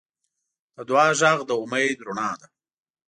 د دعا غږ د امید رڼا ده.